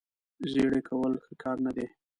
زیړې کول ښه کار نه دی.